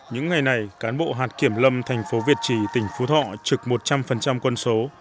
những ngày này cán bộ hạt kiểm lâm thành phố việt trì tỉnh phú thọ trực một trăm linh quân số